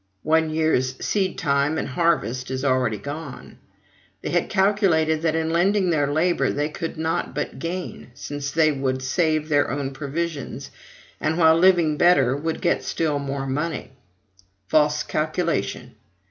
One year's seed time and harvest is already gone. They had calculated that in lending their labor they could not but gain, since they would save their own provisions; and, while living better, would get still more money. False calculation!